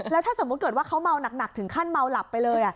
แล้วถ้าสมมุติเกิดว่าเขาเมาหนักถึงขั้นเมาหลับไปเลย